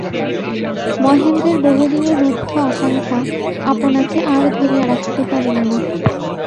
মহেন্দ্রের বহুদিনের রুদ্ধ আকাঙ্ক্ষা আপনাকে আর ধরিয়া রাখিতে পারিল না।